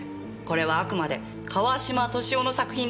これはあくまで川島敏夫の作品ですから。